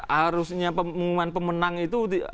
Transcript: harusnya pengumuman pemenang itu